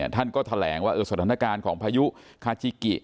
ท่านก็แถลงว่าสถานการณ์ของพายุคาจิกิ